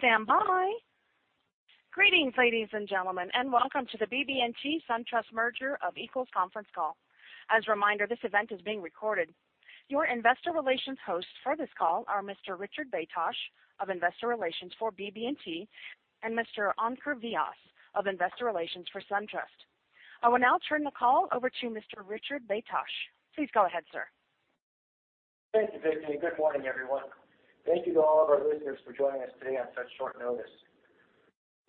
Please stand by. Greetings, ladies and gentlemen, and welcome to the BB&T SunTrust merger of equals conference call. As a reminder, this event is being recorded. Your Investor Relations hosts for this call are Mr. Richard Baytosh of Investor Relations for BB&T and Mr. Ankur Vyas of Investor Relations for SunTrust. I will now turn the call over to Mr. Richard Baytosh. Please go ahead, sir. Thank you, Vicky. Good morning, everyone. Thank you to all of our listeners for joining us today on such short notice.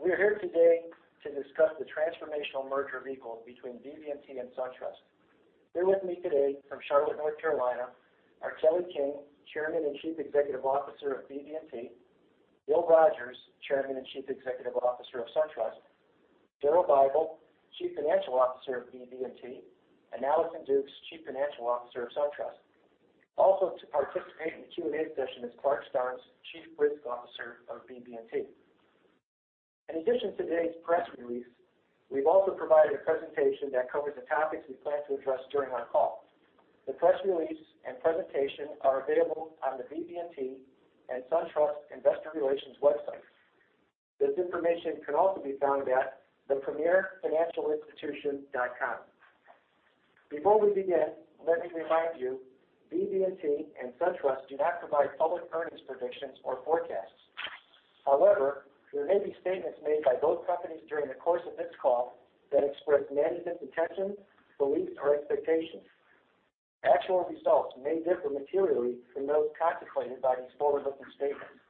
We're here today to discuss the transformational merger of equals between BB&T and SunTrust. Here with me today from Charlotte, North Carolina, are Kelly King, Chairman and Chief Executive Officer of BB&T; Bill Rogers, Chairman and Chief Executive Officer of SunTrust; Daryl Bible, Chief Financial Officer of BB&T; and Allison Dukes, Chief Financial Officer of SunTrust. Also, to participate in the Q&A session is Clarke Starnes, Chief Risk Officer of BB&T. In addition to today's press release, we've also provided a presentation that covers the topics we plan to address during our call. The press release and presentation are available on the BB&T and SunTrust investor relations websites. This information can also be found at thepremierfinancialinstitution.com. Before we begin, let me remind you, BB&T and SunTrust do not provide public earnings predictions or forecasts. However, there may be statements made by both companies during the course of this call that express management's intentions, beliefs, or expectations. Actual results may differ materially from those contemplated by these forward-looking statements.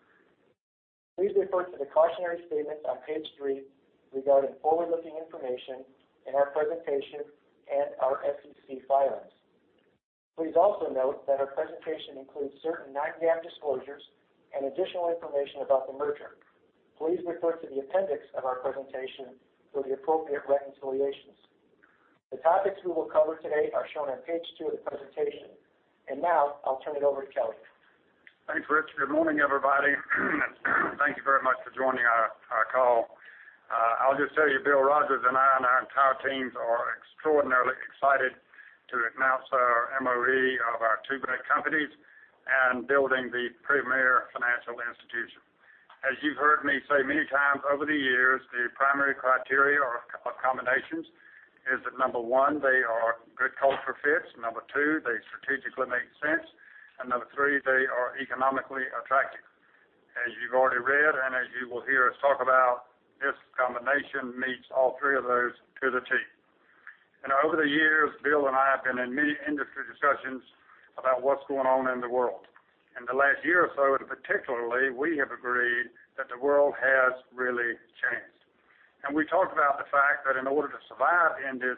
Please refer to the cautionary statements on page three regarding forward-looking information in our presentation and our SEC filings. Please also note that our presentation includes certain non-GAAP disclosures and additional information about the merger. Please refer to the appendix of our presentation for the appropriate reconciliations. The topics we will cover today are shown on page two of the presentation. Now I'll turn it over to Kelly. Thanks, Rich. Good morning, everybody. Thank you very much for joining our call. I'll just tell you, Bill Rogers and I and our entire teams are extraordinarily excited to announce our MOE of our two great companies and building the premier financial institution. As you've heard me say many times over the years, the primary criteria of combinations is that, number one, they are good culture fits, number two, they strategically make sense, and number three, they are economically attractive. As you've already read and as you will hear us talk about, this combination meets all three of those to the T. Over the years, Bill and I have been in many industry discussions about what's going on in the world. In the last year or so particularly, we have agreed that the world has really changed. We talked about the fact that in order to survive in this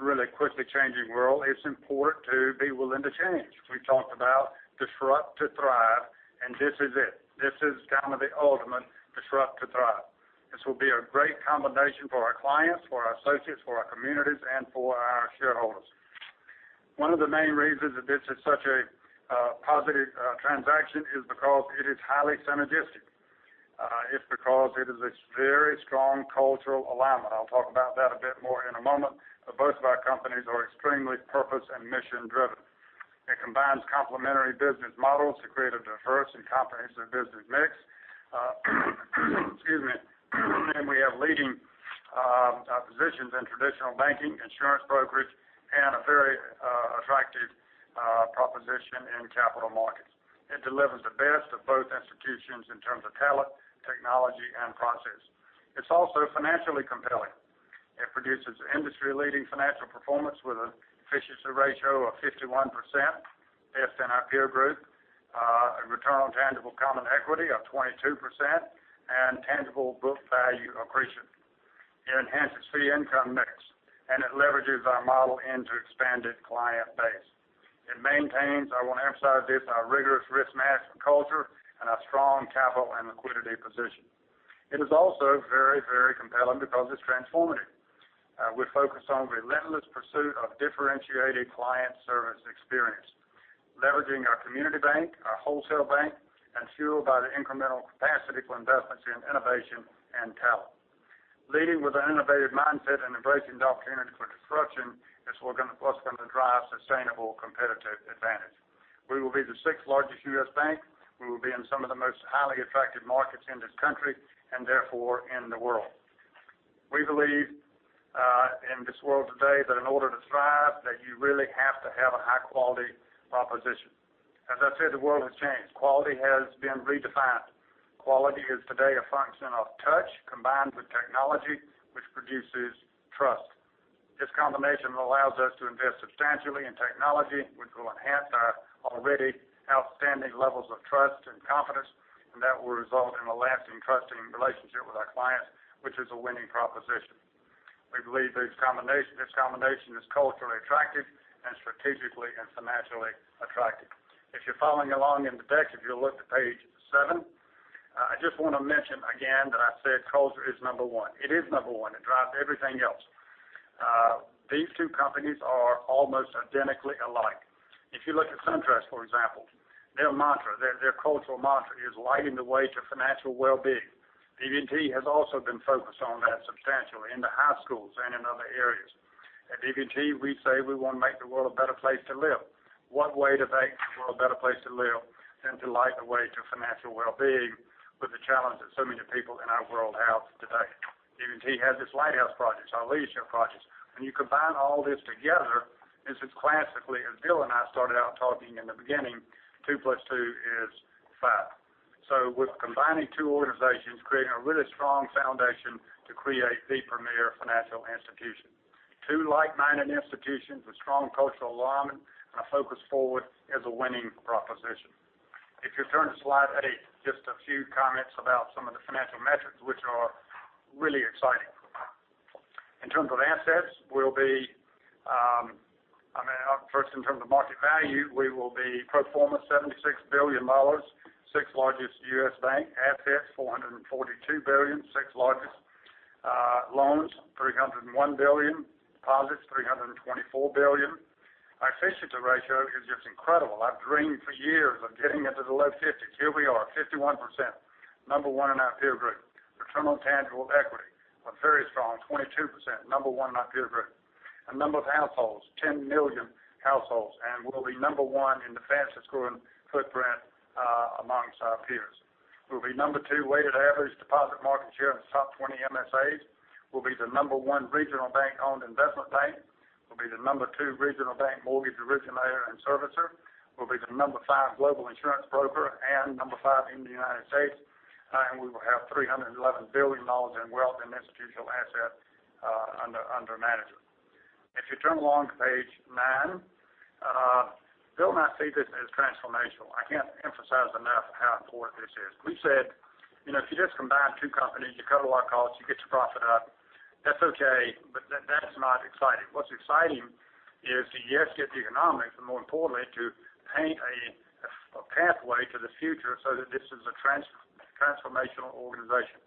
really quickly changing world, it's important to be willing to change. We've talked about disrupt to thrive, and this is it. This is kind of the ultimate disrupt to thrive. This will be a great combination for our clients, for our associates, for our communities, and for our shareholders. One of the main reasons that this is such a positive transaction is because it is highly synergistic. It's because it is a very strong cultural alignment. I'll talk about that a bit more in a moment. Both of our companies are extremely purpose and mission-driven. It combines complementary business models to create a diverse and comprehensive business mix. Excuse me. We have leading positions in traditional banking, insurance brokerage, and a very attractive proposition in capital markets. It delivers the best of both institutions in terms of talent, technology, and process. It's also financially compelling. It produces industry-leading financial performance with an efficiency ratio of 51%, best in our peer group, a return on tangible common equity of 22%, and tangible book value accretion. It enhances fee income mix. It leverages our model into expanded client base. It maintains, I want to emphasize this, our rigorous risk management culture and our strong capital and liquidity position. It is also very compelling because it's transformative. We're focused on relentless pursuit of differentiated client service experience, leveraging our community bank, our wholesale bank, and fueled by the incremental capacity for investments in innovation and talent. Leading with an innovative mindset and embracing the opportunity for disruption is what's going to drive sustainable competitive advantage. We will be the sixth-largest U.S. bank. We will be in some of the most highly attractive markets in this country and therefore in the world. We believe in this world today that in order to thrive that you really have to have a high-quality proposition. As I said, the world has changed. Quality has been redefined. Quality is today a function of touch combined with technology, which produces trust. This combination allows us to invest substantially in technology, which will enhance our already outstanding levels of trust and confidence, and that will result in a lasting trusting relationship with our clients, which is a winning proposition. We believe this combination is culturally attractive and strategically and financially attractive. If you're following along in the deck, if you'll look to page seven, I just want to mention again that I said culture is number one. It is number one. It drives everything else. These two companies are almost identically alike. If you look at SunTrust, for example, their mantra, their cultural mantra is lighting the way to financial well-being. BB&T has also been focused on that substantially in the high schools and in other areas. At BB&T, we say we want to make the world a better place to live. What way to make the world a better place to live than to light the way to financial well-being with the challenge that so many people in our world have today? BB&T has this lighthouse project, our leadership project. When you combine all this together, as it's classically, as Bill and I started out talking in the beginning, two plus two is five. With combining two organizations, creating a really strong foundation to create the premier financial institution. Two like-minded institutions with strong cultural alignment and a focus forward is a winning proposition. If you turn to slide eight, just a few comments about some of the financial metrics, which are really exciting. In terms of assets, first, in terms of market value, we will be pro forma $76 billion, sixth largest U.S. bank. Assets, $442 billion, sixth largest. Loans, $301 billion. Deposits, $324 billion. Our efficiency ratio is just incredible. I've dreamed for years of getting into the low fifties. Here we are, 51%, number one in our peer group. Return on tangible equity, a very strong 22%, number one in our peer group. Our number of households, 10 million households, and we'll be number one in the fastest-growing footprint amongst our peers. We'll be number two weighted average deposit market share in the top 20 MSAs. We'll be the number one regional bank-owned investment bank. We'll be the number two regional bank mortgage originator and servicer. We'll be the number five global insurance broker and number five in the United States. We will have $311 billion in wealth and institutional assets under management. If you turn along to page nine, Bill and I see this as transformational. I can't emphasize enough how important this is. We said, if you just combine two companies, you cut a lot of costs, you get your profit up. That's okay, but that is not exciting. What's exciting is to, yes, get the economics, but more importantly, to paint a pathway to the future so that this is a transformational organization.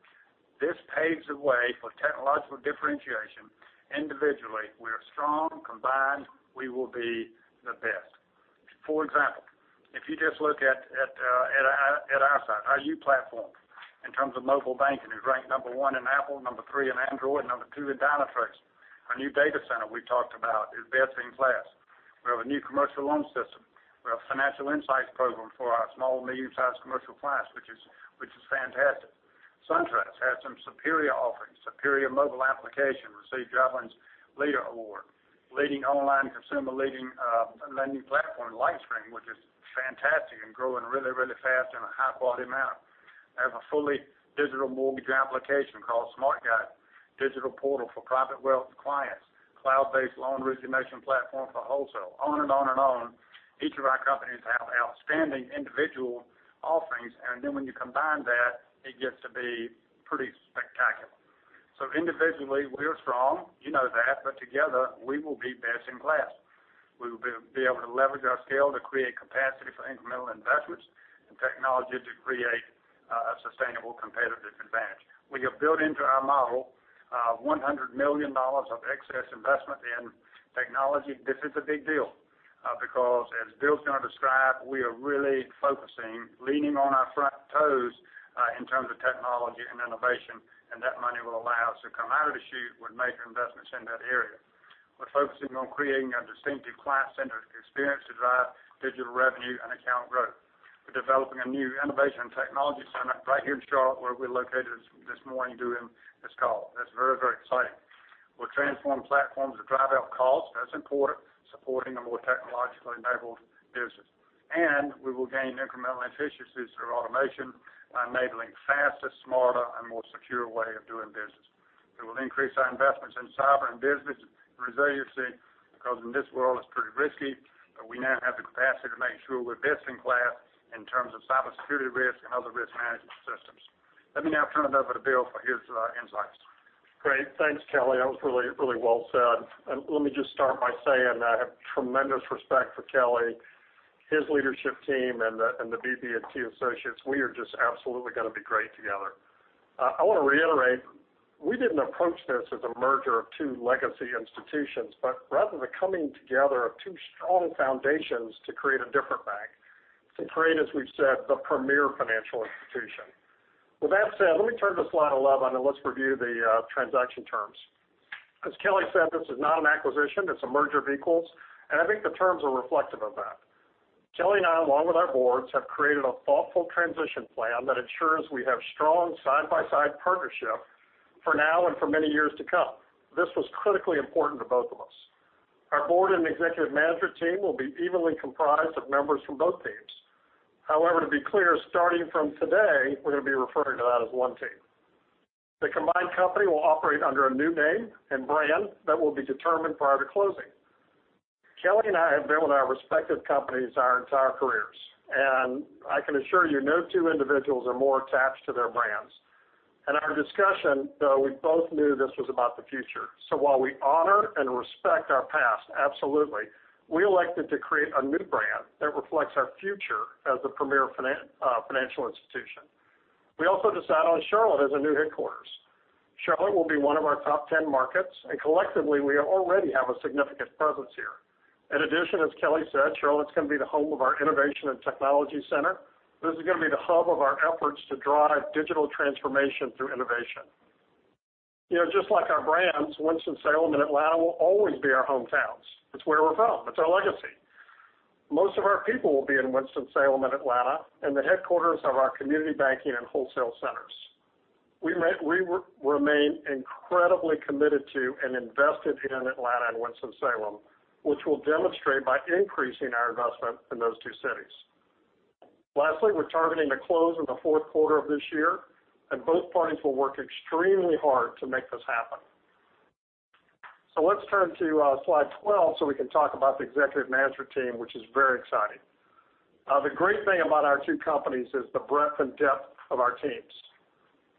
This paves the way for technological differentiation. Individually, we are strong. Combined, we will be the best. For example, if you just look at our side, our U platform, in terms of mobile banking, is ranked number one in Apple, number three in Android, number two in Dynatrace. Our new data center we talked about is best in class. We have a new commercial loan system. We have financial insights program for our small to medium-sized commercial clients, which is fantastic. SunTrust has some superior offerings, superior mobile application. Received Javelin's Leader Award. Leading online consumer lending platform, LightStream, which is fantastic and growing really fast in a high-quality amount. They have a fully digital mortgage application called SmartGUIDE. Digital portal for private wealth clients. Cloud-based loan origination platform for wholesale. On and on and on. Each of our companies have outstanding individual offerings, and then when you combine that, it gets to be pretty spectacular. Individually, we are strong. You know that. Together, we will be best in class. We will be able to leverage our scale to create capacity for incremental investments in technology to create a sustainable competitive advantage. We have built into our model, $100 million of excess investment in technology. This is a big deal. As Bill's going to describe, we are really focusing, leaning on our front toes, in terms of technology and innovation, and that money will allow us to come out of the chute with major investments in that area. We're focusing on creating a distinctive client-centered experience to drive digital revenue and account growth. We're developing a new innovation technology center right here in Charlotte where we're located this morning doing this call. That's very exciting. We'll transform platforms to drive out costs, that's important, supporting a more technologically enabled business. We will gain incremental efficiencies through automation by enabling faster, smarter, and more secure way of doing business. It will increase our investments in cyber and business resiliency, because in this world, it's pretty risky, but we now have the capacity to make sure we're best in class in terms of cybersecurity risk and other risk management systems. Let me now turn it over to Bill for his insights. Great. Thanks, Kelly. That was really well said. Let me just start by saying I have tremendous respect for Kelly, his leadership team, and the BB&T associates. We are just absolutely going to be great together. I want to reiterate, we didn't approach this as a merger of two legacy institutions, but rather the coming together of two strong foundations to create a different bank, to create, as we've said, the premier financial institution. With that said, let me turn to slide 11, let's review the transaction terms. As Kelly said, this is not an acquisition, it's a merger of equals. I think the terms are reflective of that. Kelly and I, along with our boards, have created a thoughtful transition plan that ensures we have strong side-by-side partnership for now and for many years to come. This was critically important to both of us. Our board and executive management team will be evenly comprised of members from both teams. However, to be clear, starting from today, we're going to be referring to that as one team. The combined company will operate under a new name and brand that will be determined prior to closing. Kelly and I have been with our respective companies our entire careers, I can assure you, no two individuals are more attached to their brands. In our discussion, though, we both knew this was about the future. While we honor and respect our past, absolutely, we elected to create a new brand that reflects our future as the premier financial institution. We also decided on Charlotte as a new headquarters. Charlotte will be one of our top 10 markets. Collectively, we already have a significant presence here. In addition, as Kelly said, Charlotte's going to be the home of our innovation and technology center. This is going to be the hub of our efforts to drive digital transformation through innovation. Just like our brands, Winston-Salem and Atlanta will always be our hometowns. It's where we're from. It's our legacy. Most of our people will be in Winston-Salem and Atlanta, and the headquarters of our Community Banking and wholesale centers. We remain incredibly committed to and invested in Atlanta and Winston-Salem, which we'll demonstrate by increasing our investment in those two cities. Lastly, we're targeting to close in the fourth quarter of this year. Both parties will work extremely hard to make this happen. Let's turn to slide 12 so we can talk about the executive management team, which is very exciting. The great thing about our two companies is the breadth and depth of our teams.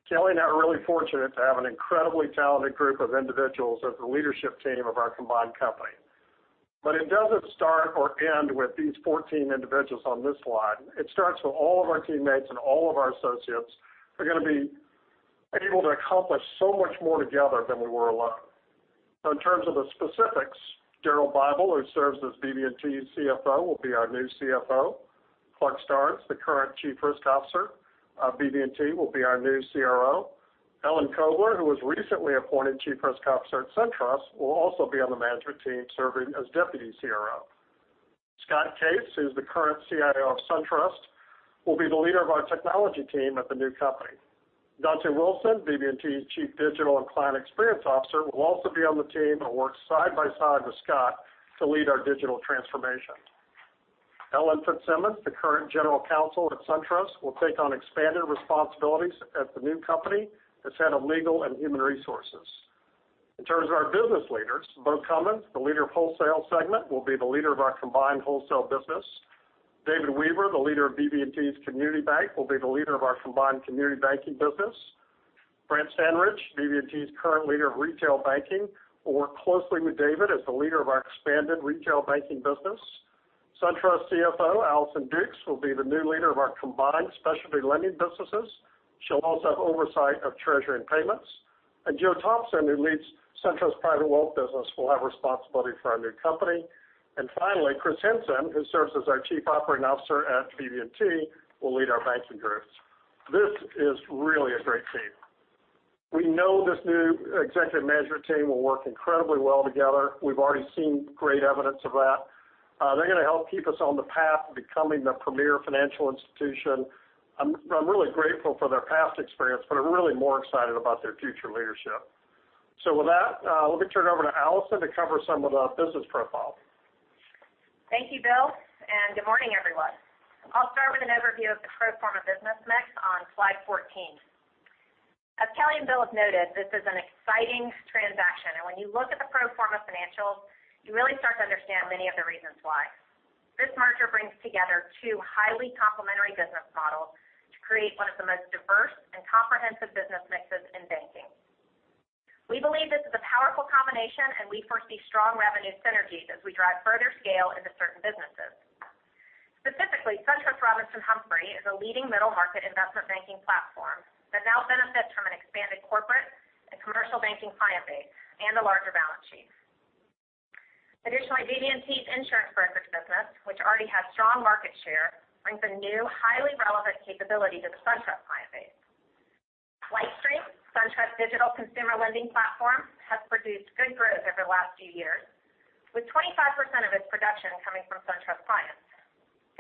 Kelly and I are really fortunate to have an incredibly talented group of individuals as the leadership team of our combined company. It doesn't start or end with these 14 individuals on this slide. It starts with all of our teammates and all of our associates. We're going to be able to accomplish so much more together than we were alone. In terms of the specifics, Daryl Bible, who serves as BB&T's CFO, will be our new CFO. Clarke Starnes, the current Chief Risk Officer of BB&T, will be our new CRO. Ellen Koebler, who was recently appointed Chief Risk Officer at SunTrust, will also be on the management team, serving as Deputy CRO. Scott Case, who's the current CIO of SunTrust, will be the leader of our technology team at the new company. Dontá Wilson, BB&T's Chief Digital and Client Experience Officer, will also be on the team and work side by side with Scott to lead our digital transformation. Ellen Fitzsimmons, the current General Counsel at SunTrust, will take on expanded responsibilities at the new company as Head of Legal and Human Resources. In terms of our business leaders, Beau Cummins, the leader of Wholesale Segment, will be the leader of our combined wholesale business. David Weaver, the leader of BB&T's Community Bank, will be the leader of our combined Community Banking business. Brant Standridge, BB&T's current leader of Retail Banking, will work closely with David as the leader of our expanded retail banking business. SunTrust CFO, Allison Dukes, will be the new leader of our combined specialty lending businesses. She'll also have oversight of treasury and payments. Joe Thompson, who leads SunTrust Private Wealth business, will have responsibility for our new company. Finally, Chris Henson, who serves as our Chief Operating Officer at BB&T, will lead our banking groups. This is really a great team. We know this new executive management team will work incredibly well together. We've already seen great evidence of that. They're going to help keep us on the path to becoming the premier financial institution. I'm really grateful for their past experience, but I'm really more excited about their future leadership. With that, let me turn it over to Allison to cover some of the business profile. Thank you, Bill, and good morning, everyone. I'll start with an overview of the pro forma business mix on slide 14. As Kelly and Bill have noted, this is an exciting transaction, and when you look at the pro forma financials, you really start to understand many of the reasons why. This merger brings together two highly complementary business models to create one of the most diverse and comprehensive business mixes in banking. We believe this is a powerful combination, and we foresee strong revenue synergies as we drive further scale into certain businesses. Specifically, SunTrust Robinson Humphrey is a leading middle-market investment banking platform that now benefits from an expanded corporate and commercial banking client base and a larger balance sheet. Additionally, BB&T's insurance brokerage business, which already has strong market share, brings a new, highly relevant capability to the SunTrust client base. LightStream, SunTrust digital consumer lending platform, has produced good growth over the last few years, with 25% of its production coming from SunTrust clients.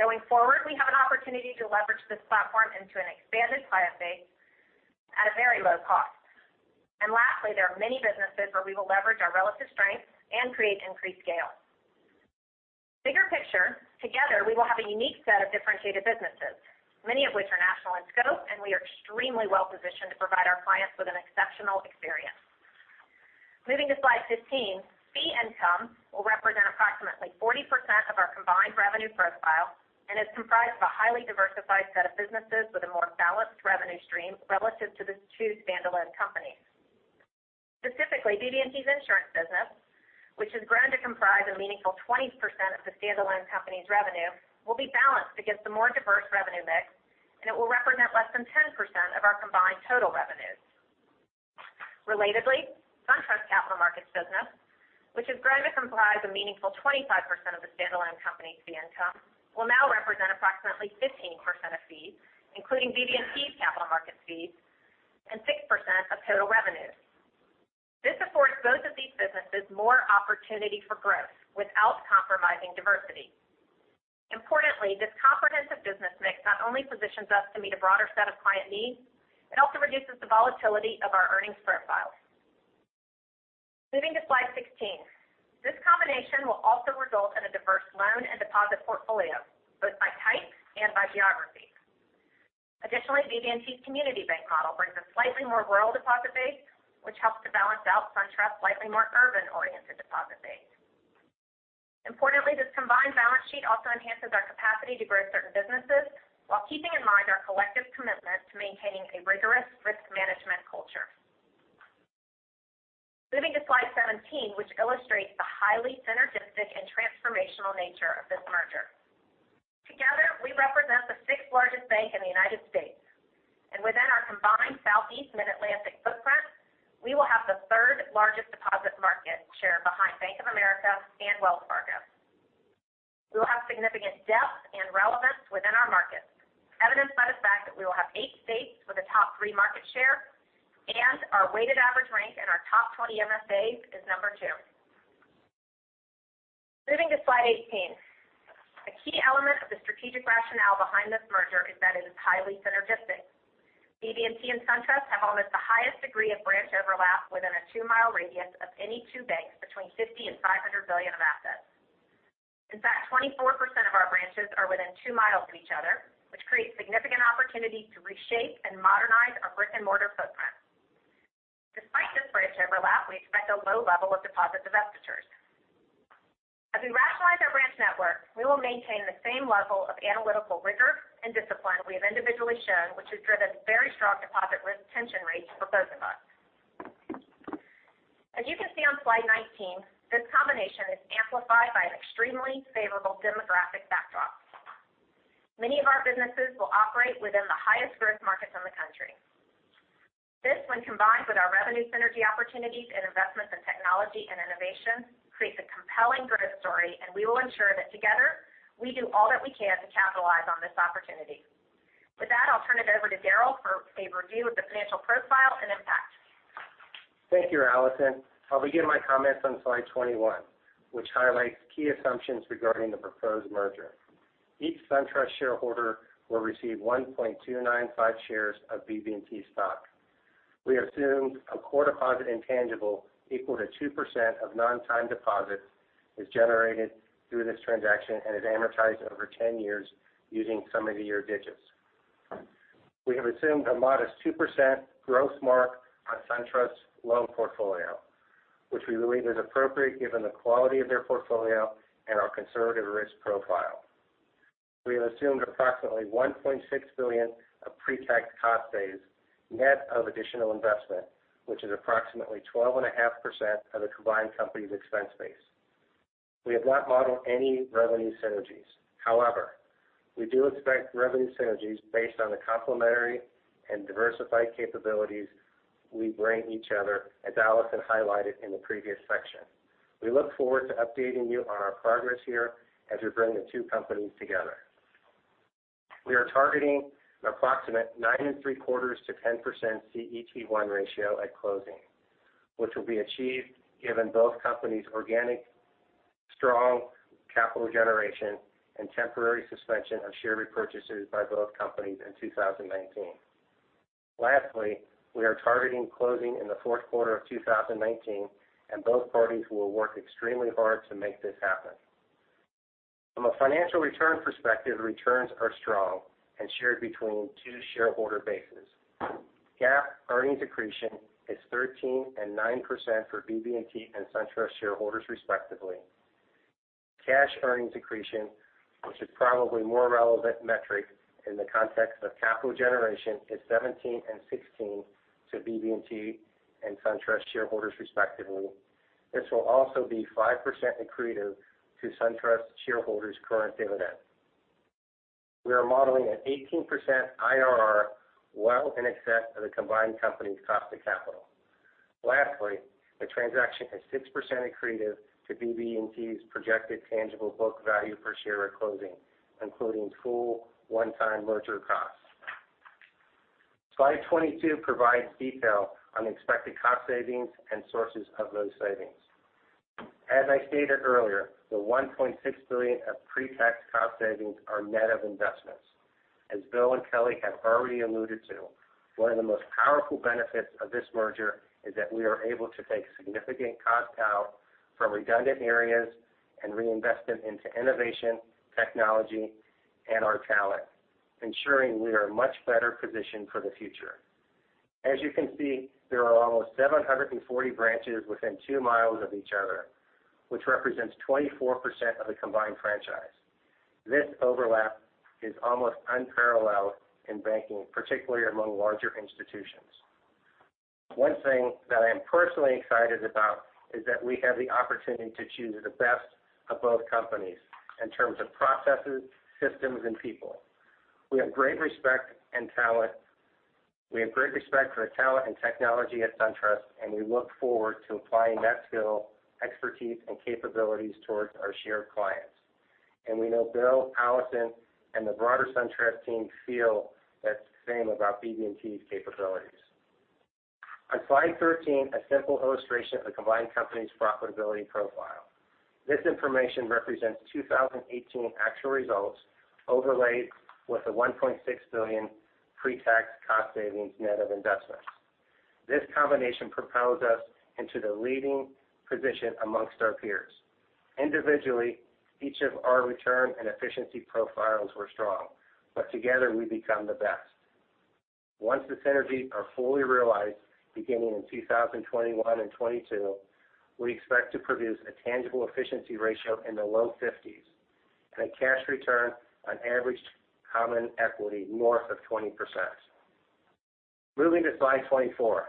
Going forward, we have an opportunity to leverage this platform into an expanded client base at a very low cost. Lastly, there are many businesses where we will leverage our relative strength and create increased scale. Bigger picture, together, we will have a unique set of differentiated businesses, many of which are national in scope, and we are extremely well-positioned to provide our clients with an exceptional experience. Moving to slide 15, fee income will represent approximately 40% of our combined revenue profile and is comprised of a highly diversified set of businesses with a more balanced revenue stream relative to the two standalone companies. Specifically, BB&T's insurance business, which is growing to comprise a meaningful 20% of the standalone company's revenue, will be balanced against the more diverse revenue mix, and it will represent less than 10% of our combined total revenues. Relatedly, SunTrust capital markets business, which is growing to comprise a meaningful 25% of the standalone company's fee income, will now represent approximately 15% of fees, including BB&T's capital markets fees, and 6% of total revenues. This affords both of these businesses more opportunity for growth without compromising diversity. Importantly, this comprehensive business mix not only positions us to meet a broader set of client needs, it also reduces the volatility of our earnings profile. Moving to slide 16. This combination will also result in a diverse loan and deposit portfolio, both by type and by geography. Additionally, BB&T's community bank model brings a slightly more rural deposit base, which helps to balance out SunTrust's slightly more urban-oriented deposit base. Importantly, this combined balance sheet also enhances our capacity to grow certain businesses while keeping in mind our collective commitment to maintaining a rigorous risk management culture. Moving to slide 17, which illustrates the highly synergistic and transformational nature of this merger. Together, we represent the sixth-largest bank in the United States. Within our combined Southeast Mid-Atlantic footprint, we will have the third-largest deposit market share behind Bank of America and Wells Fargo. We will have significant depth and relevance within our markets, evidenced by the fact that we will have eight states with the top three market share, and our weighted average rank in our top 20 MSAs is number two. Moving to slide 18. A key element of the strategic rationale behind this merger is that it is highly synergistic. BB&T and SunTrust have almost the highest degree of branch overlap within a 2 mi radius of any two banks between $50 billion and $500 billion of assets. In fact, 24% of our branches are within two miles of each other, which creates significant opportunity to reshape and modernize our brick-and-mortar footprint. Despite this branch overlap, we expect a low level of deposit divestitures. As we rationalize our branch network, we will maintain the same level of analytical rigor and discipline we have individually shown, which has driven very strong deposit retention rates for both of us. As you can see on slide 19, this combination is amplified by an extremely favorable demographic backdrop. Many of our businesses will operate within the highest growth markets in the country. This, when combined with our revenue synergy opportunities and investments in technology and innovation, creates a compelling growth story. We will ensure that together we do all that we can to capitalize on this opportunity. With that, I'll turn it over to Daryl for a review of the financial profile and impact. Thank you, Allison. I'll begin my comments on slide 21, which highlights key assumptions regarding the proposed merger. Each SunTrust shareholder will receive 1.295 shares of BB&T stock. We assumed a core deposit intangible equal to 2% of non-time deposits is generated through this transaction and is amortized over 10 years using sum of the year digits. We have assumed a modest 2% gross mark on SunTrust's loan portfolio, which we believe is appropriate given the quality of their portfolio and our conservative risk profile. We have assumed approximately $1.6 billion of pre-tax cost saves, net of additional investment, which is approximately 12.5% of the combined company's expense base. We have not modeled any revenue synergies. However, we do expect revenue synergies based on the complementary and diversified capabilities we bring each other, as Allison highlighted in the previous section. We look forward to updating you on our progress here as we bring the two companies together. We are targeting an approximate nine and three quarters to 10% CET1 ratio at closing, which will be achieved given both companies' organic, strong capital generation and temporary suspension of share repurchases by both companies in 2019. Lastly, we are targeting closing in the fourth quarter of 2019. Both parties will work extremely hard to make this happen. From a financial return perspective, returns are strong and shared between two shareholder bases. GAAP earnings accretion is 13% and 9% for BB&T and SunTrust shareholders respectively. Cash earnings accretion, which is probably a more relevant metric in the context of capital generation, is 17% and 16% to BB&T and SunTrust shareholders respectively. This will also be 5% accretive to SunTrust shareholders' current dividend. We are modeling an 18% IRR, well in excess of the combined company's cost of capital. Lastly, the transaction is 6% accretive to BB&T's projected tangible book value per share at closing, including full one-time merger costs. Slide 22 provides detail on expected cost savings and sources of those savings. As I stated earlier, the $1.6 billion of pre-tax cost savings are net of investments. As Bill and Kelly have already alluded to, one of the most powerful benefits of this merger is that we are able to take significant cost out from redundant areas and reinvest it into innovation, technology and our talent, ensuring we are much better positioned for the future. As you can see, there are almost 740 branches within 2 mi of each other, which represents 24% of the combined franchise. This overlap is almost unparalleled in banking, particularly among larger institutions. One thing that I am personally excited about is that we have the opportunity to choose the best of both companies in terms of processes, systems, and people. We have great respect for the talent and technology at SunTrust, and we look forward to applying that skill, expertise, and capabilities towards our shared clients. We know Bill, Allison, and the broader SunTrust team feel the same about BB&T's capabilities. On slide 13, a simple illustration of the combined company's profitability profile. This information represents 2018 actual results overlaid with the $1.6 billion pre-tax cost savings net of investments. This combination propels us into the leading position amongst our peers. Individually, each of our return and efficiency profiles were strong, but together we become the best. Once the synergies are fully realized beginning in 2021 and 2022, we expect to produce a tangible efficiency ratio in the low 50s and a cash return on average common equity north of 20%. Moving to slide 24.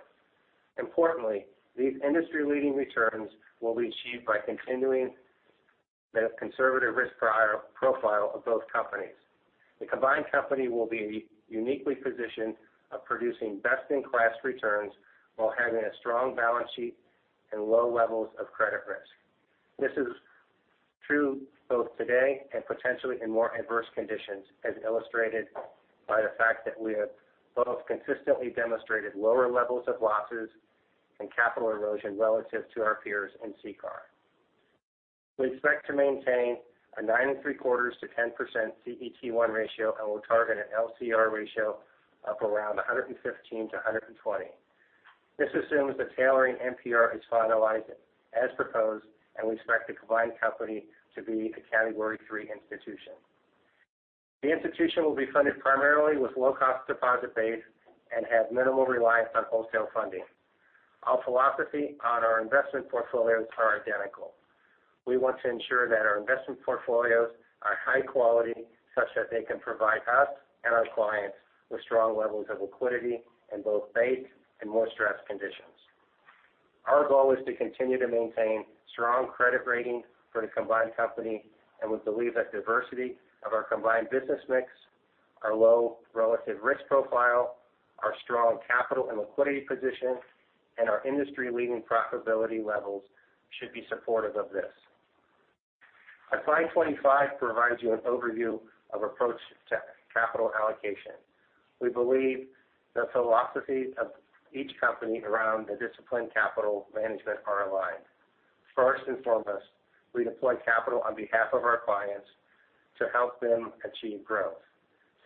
Importantly, these industry-leading returns will be achieved by continuing the conservative risk profile of both companies. The combined company will be uniquely positioned of producing best-in-class returns while having a strong balance sheet and low levels of credit risk. This is true both today and potentially in more adverse conditions, as illustrated by the fact that we have both consistently demonstrated lower levels of losses and capital erosion relative to our peers in CCAR. We expect to maintain a 9.75%-10% CET1 ratio, and we'll target an LCR ratio of around 115% to 120%. This assumes the tailoring NPR is finalized as proposed. We expect the combined company to be a Category III institution. The institution will be funded primarily with low-cost deposit base and have minimal reliance on wholesale funding. Our philosophy on our investment portfolios are identical. We want to ensure that our investment portfolios are high quality, such that they can provide us and our clients with strong levels of liquidity in both base and more stressed conditions. Our goal is to continue to maintain strong credit rating for the combined company, and we believe that diversity of our combined business mix, our low relative risk profile, our strong capital and liquidity position, and our industry-leading profitability levels should be supportive of this. Slide 25 provides you an overview of approach to capital allocation. We believe the philosophy of each company around the disciplined capital management are aligned. First and foremost, we deploy capital on behalf of our clients to help them achieve growth.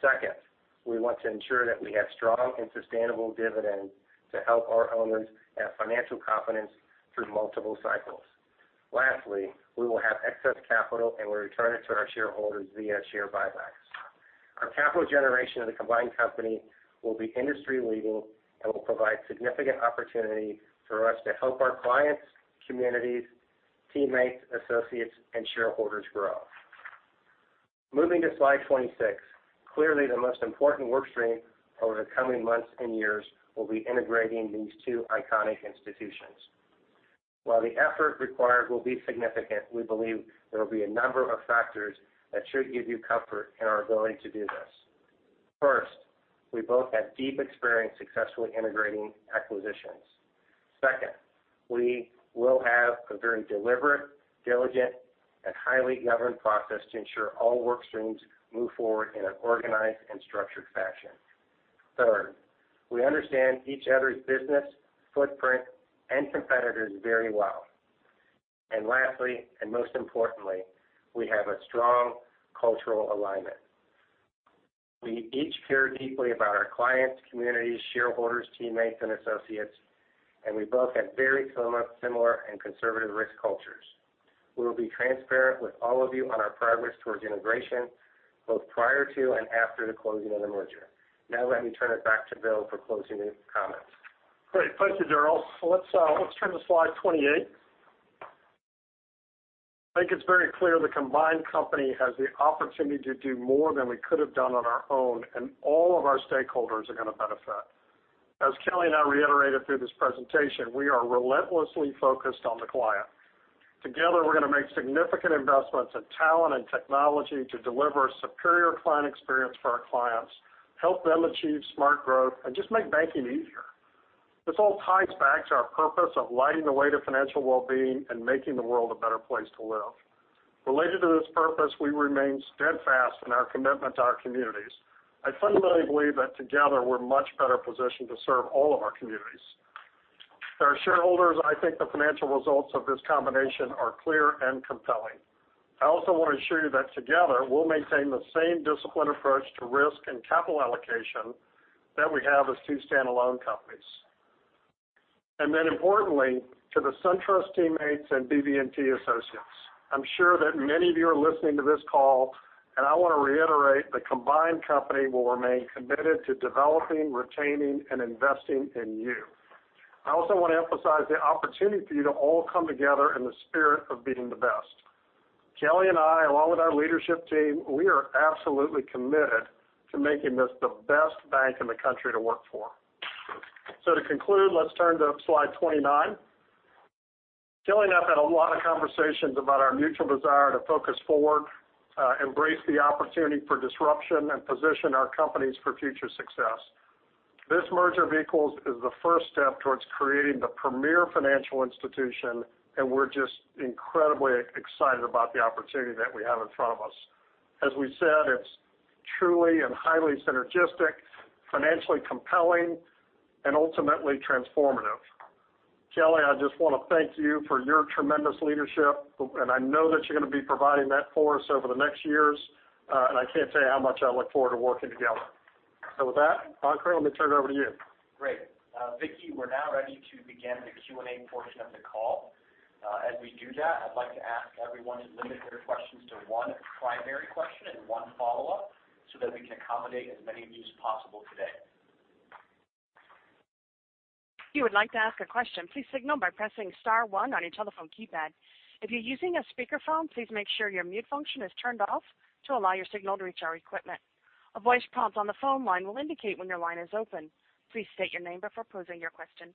Second, we want to ensure that we have strong and sustainable dividends to help our owners have financial confidence through multiple cycles. Lastly, we will have excess capital, and we'll return it to our shareholders via share buybacks. Our capital generation of the combined company will be industry-leading and will provide significant opportunity for us to help our clients, communities, teammates, associates, and shareholders grow. Moving to slide 26. Clearly, the most important work stream over the coming months and years will be integrating these two iconic institutions. While the effort required will be significant, we believe there will be a number of factors that should give you comfort in our ability to do this. First, we both have deep experience successfully integrating acquisitions. Second, we will have a very deliberate, diligent, and highly governed process to ensure all work streams move forward in an organized and structured fashion. Third, we understand each other's business footprint and competitors very well. Lastly, and most importantly, we have a strong cultural alignment. We each care deeply about our clients, communities, shareholders, teammates, and associates, and we both have very similar and conservative risk cultures. We will be transparent with all of you on our progress towards integration, both prior to and after the closing of the merger. Let me turn it back to Bill for closing comments. Great. Thank you, Daryl. Let's turn to slide 28. I think it's very clear the combined company has the opportunity to do more than we could have done on our own, all of our stakeholders are going to benefit. As Kelly and I reiterated through this presentation, we are relentlessly focused on the client. Together, we're going to make significant investments in talent and technology to deliver a superior client experience for our clients, help them achieve smart growth, and just make banking easier. This all ties back to our purpose of lighting the way to financial well-being and making the world a better place to live. Related to this purpose, we remain steadfast in our commitment to our communities. I fundamentally believe that together, we're much better positioned to serve all of our communities. To our shareholders, I think the financial results of this combination are clear and compelling. I also want to assure you that together, we'll maintain the same disciplined approach to risk and capital allocation that we have as two standalone companies. Importantly, to the SunTrust teammates and BB&T associates, I'm sure that many of you are listening to this call, I want to reiterate the combined company will remain committed to developing, retaining, and investing in you. I also want to emphasize the opportunity for you to all come together in the spirit of being the best. Kelly and I, along with our leadership team, we are absolutely committed to making this the best bank in the country to work for. To conclude, let's turn to slide 29. Kelly and I have had a lot of conversations about our mutual desire to focus forward, embrace the opportunity for disruption, and position our companies for future success. This merger of equals is the first step towards creating the premier financial institution, we're just incredibly excited about the opportunity that we have in front of us. As we said, it's truly and highly synergistic, financially compelling, ultimately transformative. Kelly, I just want to thank you for your tremendous leadership, I know that you're going to be providing that for us over the next years, I can't tell you how much I look forward to working together. With that, operator, let me turn it over to you. Great. Vicky, we're now ready to begin the Q&A portion of the call. As we do that, I'd like to ask everyone to limit their questions to one primary question and one follow-up so that we can accommodate as many of you as possible today. If you would like to ask a question, please signal by pressing star one on your telephone keypad. If you're using a speakerphone, please make sure your mute function is turned off to allow your signal to reach our equipment. A voice prompt on the phone line will indicate when your line is open. Please state your name before posing your question.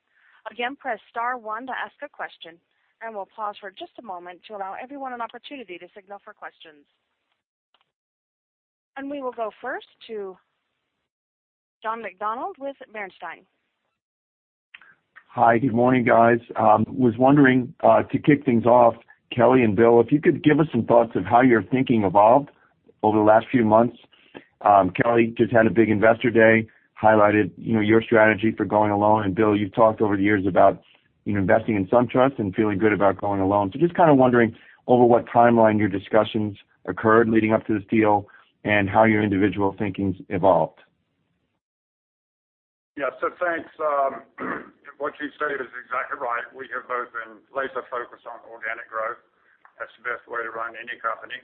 Again, press star one to ask a question, and we'll pause for just a moment to allow everyone an opportunity to signal for questions. We will go first to John McDonald with Bernstein. Hi, good morning, guys. Was wondering, to kick things off, Kelly and Bill, if you could give us some thoughts of how your thinking evolved over the last few months. Kelly just had a big investor day, highlighted your strategy for going alone. Bill, you've talked over the years about investing in SunTrust and feeling good about going alone. Just kind of wondering over what timeline your discussions occurred leading up to this deal and how your individual thinkings evolved. Yeah. Thanks. What you stated is exactly right. We have both been laser focused on organic growth. That's the best way to run any company.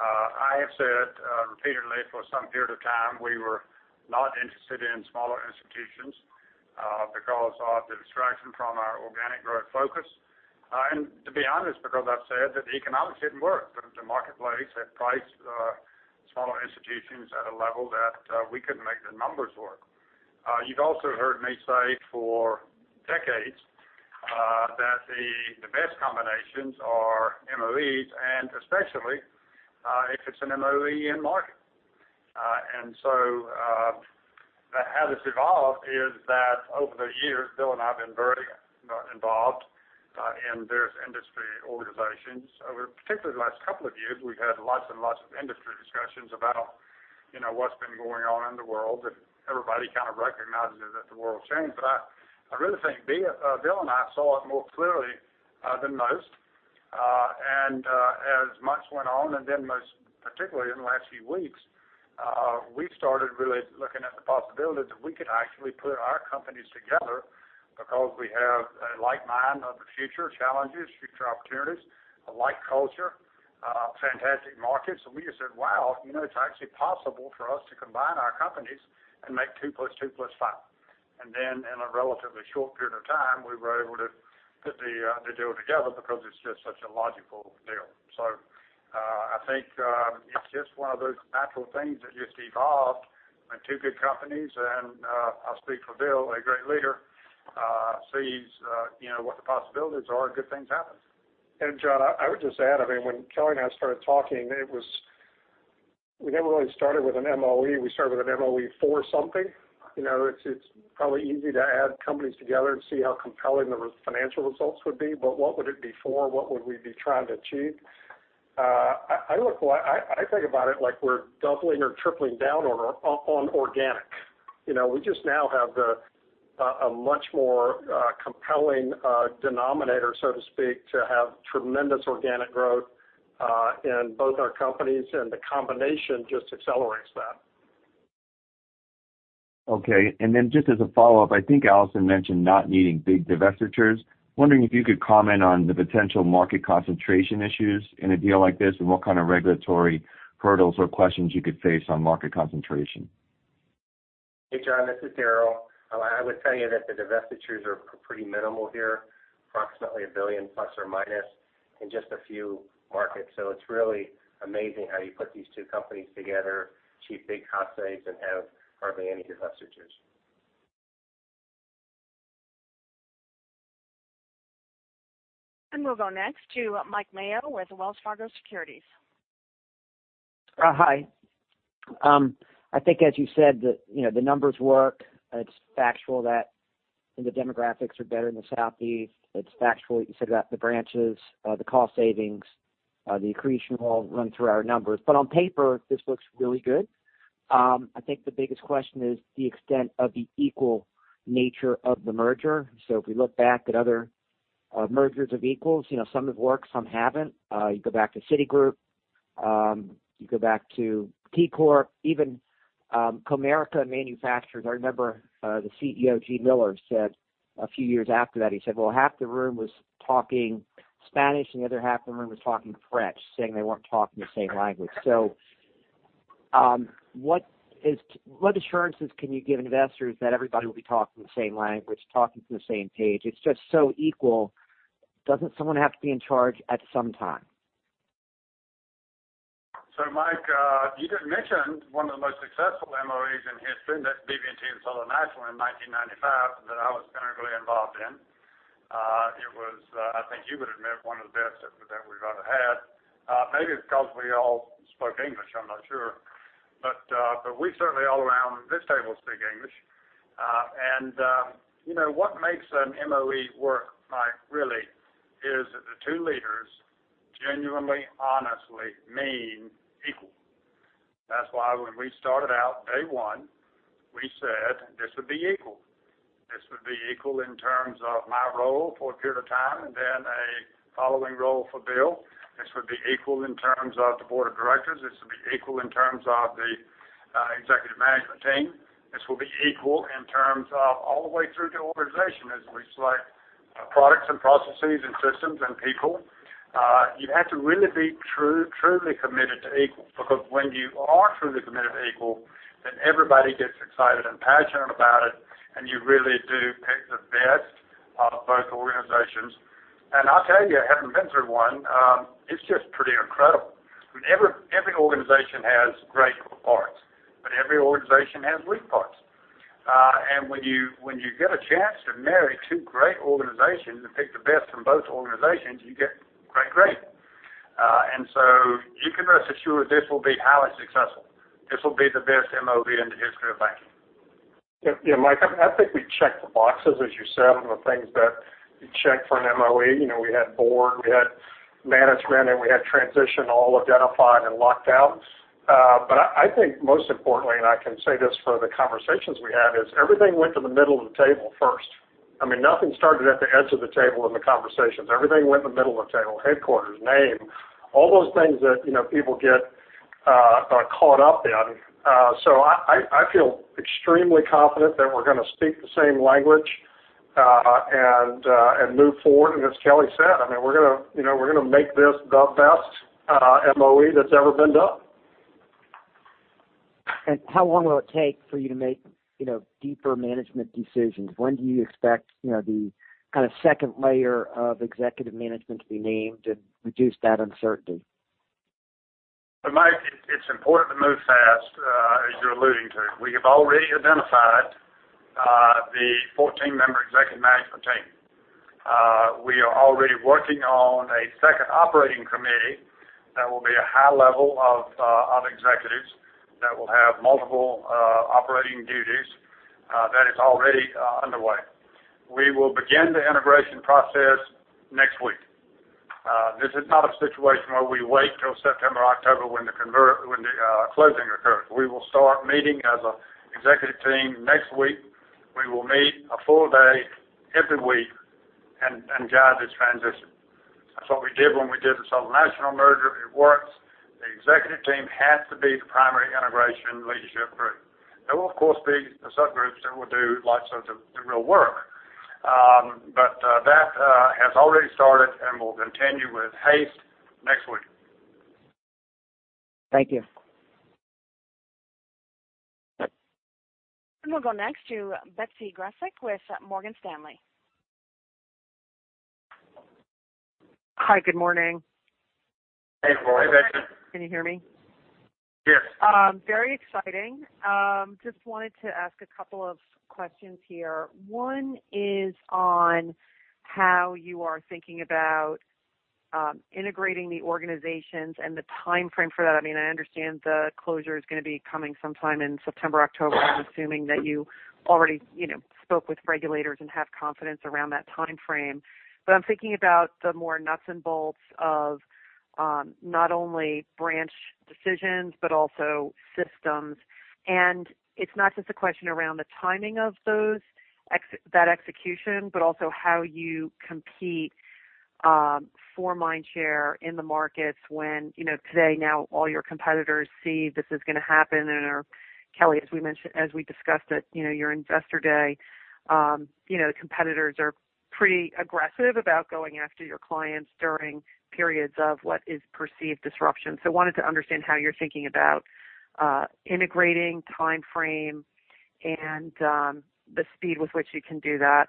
I have said repeatedly for some period of time, we were not interested in smaller institutions because of the distraction from our organic growth focus. To be honest, because I've said that the economics didn't work. The marketplace had priced smaller institutions at a level that we couldn't make the numbers work. You've also heard me say for decades that the best combinations are MOEs, and especially if it's an MOE in market. How this evolved is that over the years, Bill and I have been very involved in various industry organizations. Over particularly the last couple of years, we've had lots and lots of industry discussions about what's been going on in the world, everybody kind of recognizes that the world's changed. I really think Bill and I saw it more clearly than most. As months went on, most particularly in the last few weeks, we started really looking at the possibility that we could actually put our companies together because we have a like mind of the future challenges, future opportunities, a like culture, fantastic markets. We just said, "Wow, it's actually possible for us to combine our companies and make two plus two plus five." In a relatively short period of time, we were able to put the deal together because it's just such a logical deal. I think it's just one of those natural things that just evolved when two good companies, and I'll speak for Bill, a great leader sees what the possibilities are and good things happen. John, I would just add, when Kelly and I started talking, we never really started with an MOE. We started with an MOE for something. It's probably easy to add companies together and see how compelling the financial results would be, what would it be for? What would we be trying to achieve? I think about it like we're doubling or tripling down on organic. We just now have a much more compelling denominator, so to speak, to have tremendous organic growth in both our companies, the combination just accelerates that. Okay. Just as a follow-up, I think Allison mentioned not needing big divestitures. Wondering if you could comment on the potential market concentration issues in a deal like this, and what kind of regulatory hurdles or questions you could face on market concentration. Hey, John, this is Daryl. I would tell you that the divestitures are pretty minimal here, approximately $1 billion plus or minus in just a few markets. It's really amazing how you put these two companies together, achieve big cost saves, and have hardly any divestitures. We'll go next to Mike Mayo with Wells Fargo Securities. Hi. I think as you said, the numbers work. It's factual that the demographics are better in the Southeast. It's factual what you said about the branches, the cost savings, the accretion will run through our numbers. On paper, this looks really good. I think the biggest question is the extent of the equal nature of the merger. If we look back at other mergers of equals, some have worked, some haven't. You go back to Citigroup, you go back to KeyCorp, even Comerica and Manufacturers. I remember the CEO, Gene Miller, said a few years after that, he said, "Well, half the room was talking Spanish and the other half of the room was talking French," saying they weren't talking the same language. What assurances can you give investors that everybody will be talking the same language, talking from the same page? It's just so equal. Doesn't someone have to be in charge at some time? Mike, you just mentioned one of the most successful MOEs in history, and that's BB&T and Southern National in 1995 that I was directly involved in. It was, I think you would admit, one of the best that we've ever had. Maybe it's because we all spoke English, I'm not sure. We certainly all around this table speak English. What makes an MOE work, Mike, really, is that the two leaders genuinely, honestly mean equal. That's why when we started out day one, we said this would be equal. This would be equal in terms of my role for a period of time, and then a following role for Bill. This would be equal in terms of the board of directors. This would be equal in terms of the executive management team. This will be equal in terms of all the way through the organization as we select products and processes and systems and people. You have to really be truly committed to equal, because when you are truly committed to equal, everybody gets excited and passionate about it, and you really do pick the best of both organizations. I'll tell you, having been through one, it's just pretty incredible. Every organization has great parts, but every organization has weak parts. When you get a chance to marry two great organizations and pick the best from both organizations, you get great. You can rest assured this will be highly successful. This will be the best MOE in the history of banking. Mike, I think we checked the boxes, as you said, on the things that you check for an MOE. We had board, we had management, and we had transition all identified and locked down. I think most importantly, and I can say this for the conversations we had, is everything went to the middle of the table first. Nothing started at the edge of the table in the conversations. Everything went in the middle of the table, headquarters, name, all those things that people get caught up in. I feel extremely confident that we're going to speak the same language and move forward. As Kelly said, we're going to make this the best MOE that's ever been done. How long will it take for you to make deeper management decisions? When do you expect the kind of second layer of executive management to be named and reduce that uncertainty? Mike, it's important to move fast, as you're alluding to. We have already identified the 14-member executive management team. We are already working on a second operating committee that will be a high level of executives that will have multiple operating duties. That is already underway. We will begin the integration process next week. This is not a situation where we wait till September or October when the closing occurs. We will start meeting as an executive team next week. We will meet a full day every week and guide this transition. That's what we did when we did the Southern National merger. It works. The executive team has to be the primary integration leadership group. There will, of course, be the subgroups that will do lots of the real work. That has already started and will continue with haste next week. Thank you. We'll go next to Betsy Graseck with Morgan Stanley. Hi, good morning. Hey, Betsy. Can you hear me? Yes. Very exciting. Just wanted to ask a couple of questions here. One is on how you are thinking about integrating the organizations and the timeframe for that. I understand the closure is going to be coming sometime in September or October. I'm assuming that you already spoke with regulators and have confidence around that timeframe. I'm thinking about the more nuts and bolts of not only branch decisions but also systems. It's not just a question around the timing of that execution, but also how you compete for mind share in the markets when today now all your competitors see this is going to happen. Kelly, as we discussed at your investor day, competitors are pretty aggressive about going after your clients during periods of what is perceived disruption. Wanted to understand how you're thinking about integrating timeframe and the speed with which you can do that.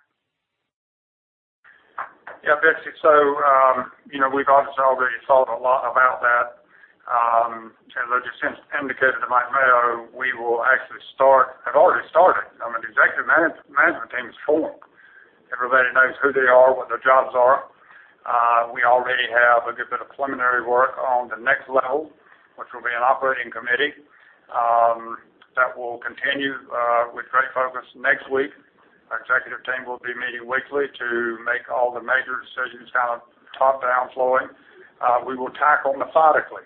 Betsy. We've obviously already thought a lot about that. As I just indicated to Mike Mayo, we have already started. The executive management team is formed. Everybody knows who they are, what their jobs are. We already have a good bit of preliminary work on the next level, which will be an operating committee that will continue with great focus next week. Our executive team will be meeting weekly to make all the major decisions kind of top-down flowing. We will tackle methodically,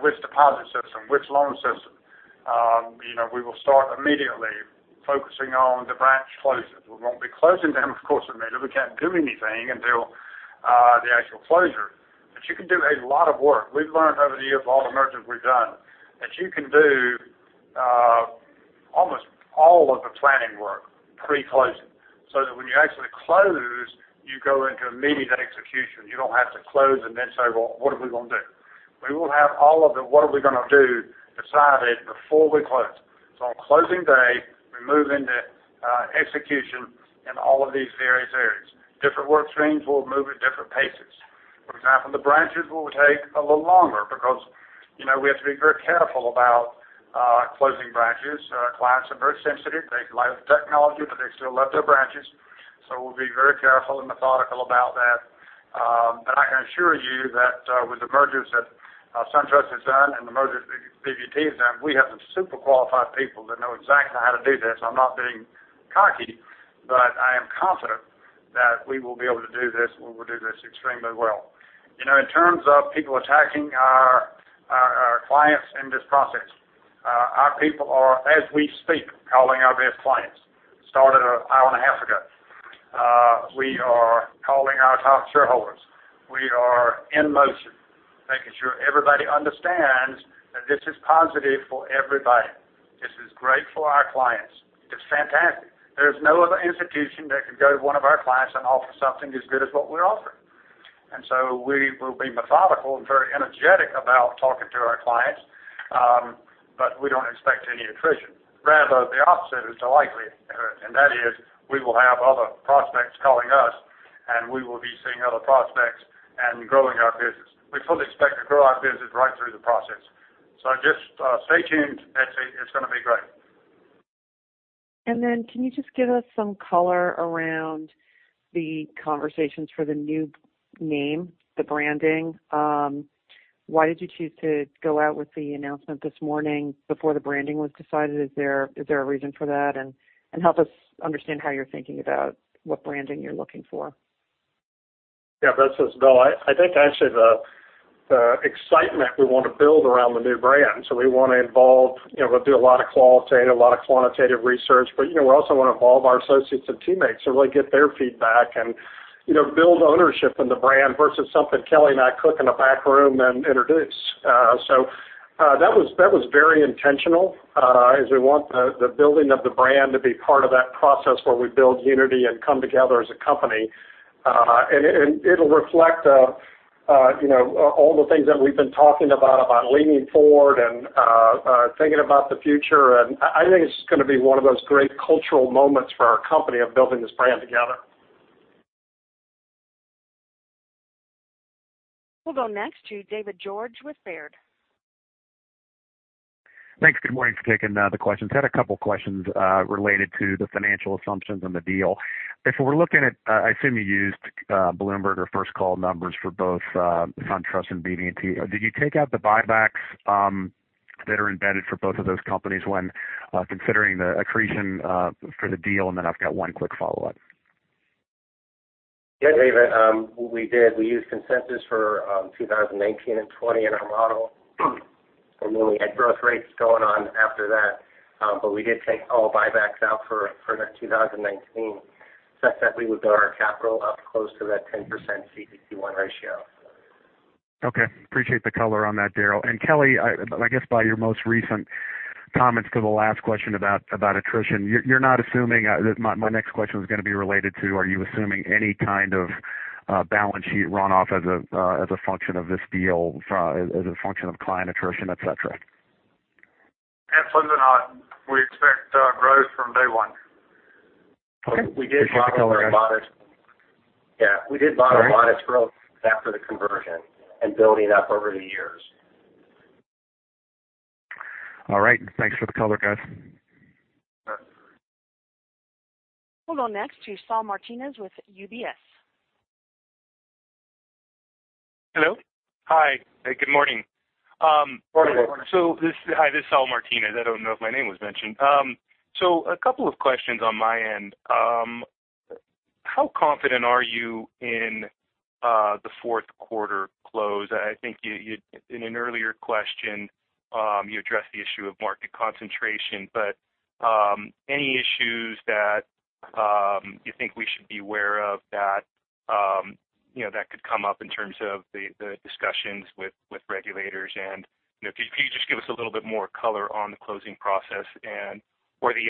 which deposit system, which loan system. We will start immediately focusing on the branch closures. We won't be closing them, of course, immediately. We can't do anything until the actual closure. You can do a lot of work. We've learned over the years, all the mergers we've done, that you can do almost all of the planning work pre-closing so that when you actually close, you go into immediate execution. You don't have to close and then say, "Well, what are we going to do?" We will have all of the what are we going to do decided before we close. On closing day, we move into execution in all of these various areas. Different work streams will move at different paces. For example, the branches will take a little longer because we have to be very careful about closing branches. Clients are very sensitive. They like the technology, they still love their branches. We'll be very careful and methodical about that. I can assure you that with the mergers that SunTrust has done and the mergers BB&T has done, we have some super qualified people that know exactly how to do this. I'm not being cocky, I am confident that we will be able to do this, and we'll do this extremely well. In terms of people attacking our clients in this process, our people are, as we speak, calling our best clients. Started an hour and a half ago. We are calling our top shareholders. We are in motion, making sure everybody understands that this is positive for everybody. Great for our clients. It's fantastic. There's no other institution that can go to one of our clients and offer something as good as what we're offering. We will be methodical and very energetic about talking to our clients, we don't expect any attrition. Rather, the opposite is the likelihood, and that is we will have other prospects calling us, and we will be seeing other prospects and growing our business. We fully expect to grow our business right through the process. Just stay tuned, Betsy. It's going to be great. Can you just give us some color around the conversations for the new name, the branding? Why did you choose to go out with the announcement this morning before the branding was decided? Is there a reason for that? Help us understand how you're thinking about what branding you're looking for. Yeah, this is Bill. I think actually the excitement we want to build around the new brand. We want to involve, we'll do a lot of qualitative, a lot of quantitative research, but we also want to involve our associates and teammates to really get their feedback and build ownership in the brand versus something Kelly and I cook in a back room and introduce. That was very intentional, as we want the building of the brand to be part of that process where we build unity and come together as a company. It'll reflect all the things that we've been talking about leaning forward and thinking about the future. I think it's going to be one of those great cultural moments for our company of building this brand together. We'll go next to David George with Baird. Thanks. Good morning. Kicking the questions. Had a couple questions related to the financial assumptions and the deal. If we're looking at, I assume you used Bloomberg or First Call numbers for both SunTrust and BB&T. Did you take out the buybacks that are embedded for both of those companies when considering the accretion for the deal? I've got one quick follow-up. Yeah, David. We did. We used consensus for 2019 and 2020 in our model. We had growth rates going on after that. We did take all buybacks out for the 2019, such that we would build our capital up close to that 10% CET1 ratio. Okay. Appreciate the color on that, Daryl. Kelly, I guess by your most recent comments to the last question about attrition, you're not assuming that. Are you assuming any kind of balance sheet runoff as a function of this deal, as a function of client attrition, et cetera? Absolutely not. We expect growth from day one. Okay. Appreciate the color. Yeah. We did- All right ...a lot of growth after the conversion and building up over the years. All right. Thanks for the color, guys. Sure. We'll go next to Saul Martinez with UBS. Hello? Hi. Good morning. Morning. Hi, this is Saul Martinez. I don't know if my name was mentioned. A couple of questions on my end. How confident are you in the fourth quarter close? I think you, in an earlier question, you addressed the issue of market concentration. Any issues that you think we should be aware of that could come up in terms of the discussions with regulators and, could you just give us a little bit more color on the closing process and or the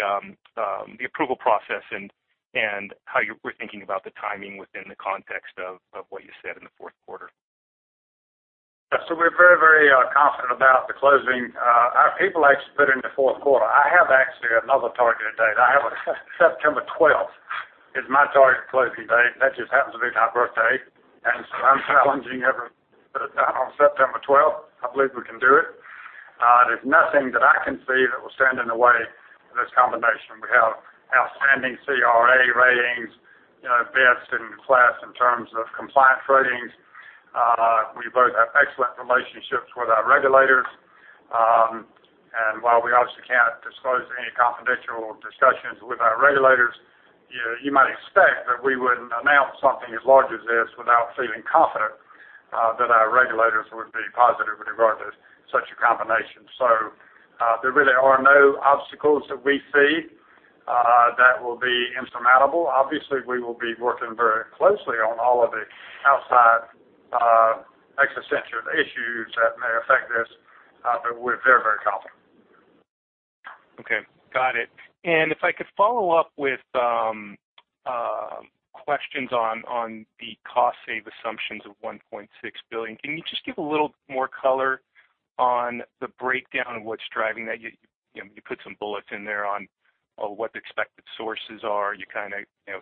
approval process and how you were thinking about the timing within the context of what you said in the fourth quarter? We're very confident about the closing. Our people actually put it in the fourth quarter. I have actually another targeted date. I have September 12th is my target closing date, and that just happens to be my birthday. I'm challenging everyone to put it down on September 12th. I believe we can do it. There's nothing that I can see that will stand in the way of this combination. We have outstanding CRA ratings, best in class in terms of compliance ratings. We both have excellent relationships with our regulators. While we obviously can't disclose any confidential discussions with our regulators, you might expect that we wouldn't announce something as large as this without feeling confident that our regulators would be positive with regard to such a combination. There really are no obstacles that we see that will be insurmountable. We will be working very closely on all of the outside external issues that may affect this, but we're very confident. Okay. Got it. If I could follow up with questions on the cost save assumptions of $1.6 billion. Can you just give a little more color on the breakdown of what's driving that? You put some bullets in there on what the expected sources are. You kind of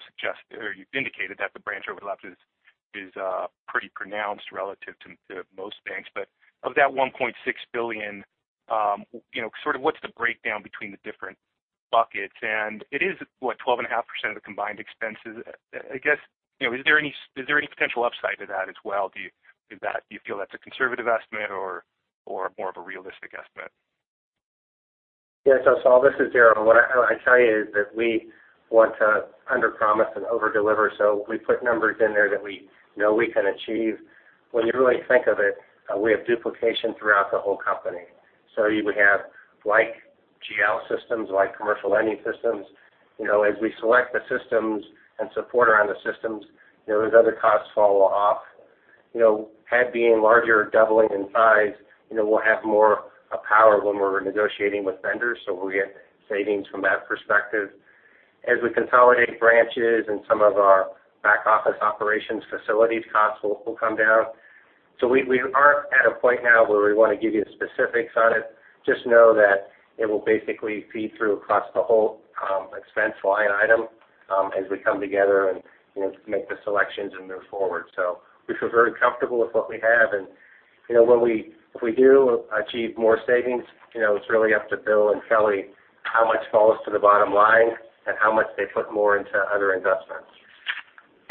suggested or you've indicated that the branch overlap is pretty pronounced relative to most banks. But of that $1.6 billion, sort of what's the breakdown between the different buckets? It is, what, 12.5% of the combined expenses. I guess, is there any potential upside to that as well? Do you feel that's a conservative estimate or more of a realistic estimate? Yeah. Saul, this is Daryl. What I tell you is that we want to underpromise and overdeliver, so we put numbers in there that we know we can achieve. When you really think of it, we have duplication throughout the whole company. You would have like GL systems, like commercial lending systems. As we select the systems and support around the systems, those other costs fall off. Had being larger, doubling in size, we'll have more power when we're negotiating with vendors. We get savings from that perspective. As we consolidate branches and some of our back office operations, facilities costs will come down. We aren't at a point now where we want to give you specifics on it. Just know that it will basically feed through across the whole expense line item as we come together and make the selections and move forward. We feel very comfortable with what we have. If we do achieve more savings, it's really up to Bill and Kelly how much falls to the bottom line and how much they put more into other investments.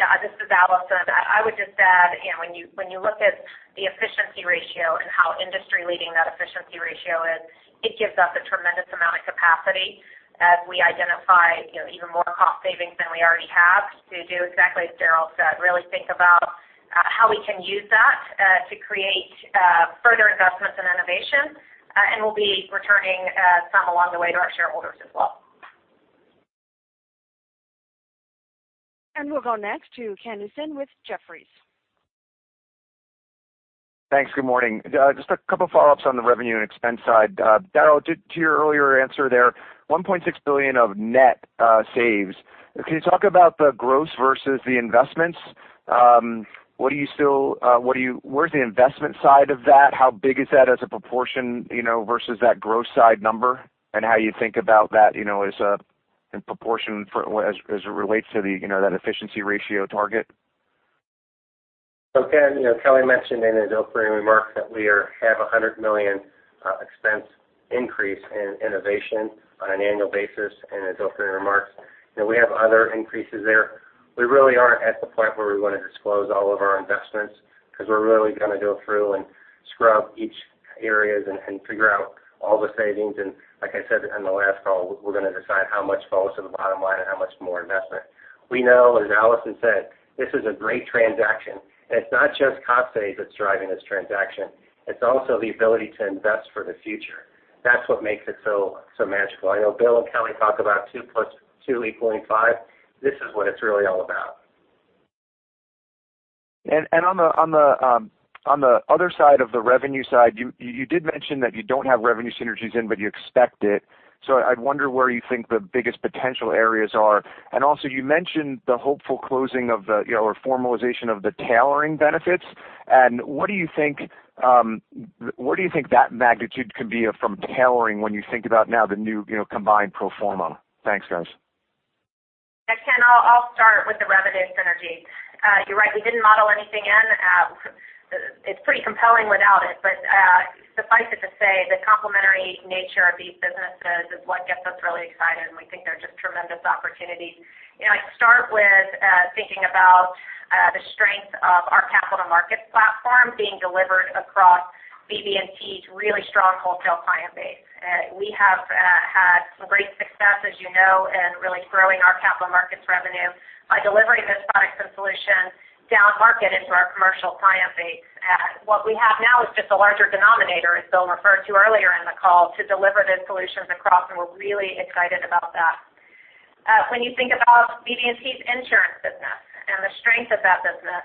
Yeah. This is Allison. I would just add, when you look at the efficiency ratio and how industry leading that efficiency ratio is, it gives us a tremendous amount of capacity as we identify even more cost savings than we already have to do exactly as Daryl said, really think about how we can use that to create further investments in innovation. We'll be returning some along the way to our shareholders as well. We'll go next to Ken Usdin with Jefferies. Thanks. Good morning. Just a couple follow-ups on the revenue and expense side. Daryl, to your earlier answer there, $1.6 billion of net saves. Can you talk about the gross versus the investments? Where's the investment side of that? How big is that as a proportion versus that gross side number and how you think about that in proportion for as it relates to that efficiency ratio target? Ken, Kelly mentioned in his opening remarks that we have $100 million expense increase in innovation on an annual basis in his opening remarks. We have other increases there. We really aren't at the point where we want to disclose all of our investments because we're really going to go through and scrub each areas and figure out all the savings. Like I said in the last call, we're going to decide how much falls to the bottom line and how much more investment. We know, as Allison said, this is a great transaction. It's not just cost save that's driving this transaction. It's also the ability to invest for the future. That's what makes it so magical. I know Bill and Kelly talk about two plus two equaling five. This is what it's really all about. On the other side of the revenue side, you did mention that you don't have revenue synergies in, but you expect it. I wonder where you think the biggest potential areas are. Also you mentioned the hopeful closing of the or formalization of the tailoring benefits. What do you think that magnitude could be from tailoring when you think about now the new combined pro forma? Thanks, guys. Yeah, Ken, I'll start with the revenue synergy. You're right. We didn't model anything in. It's pretty compelling without it. Suffice it to say, the complementary nature of these businesses is what gets us really excited, and we think they're just tremendous opportunities. I'd start with thinking about the strength of our capital markets platform being delivered across BB&T's really strong wholesale client base. We have had some great success, as you know, in really growing our capital markets revenue by delivering those products and solutions down market into our commercial client base. What we have now is just a larger denominator, as Bill referred to earlier in the call, to deliver those solutions across, and we're really excited about that. When you think about BB&T's insurance business and the strength of that business,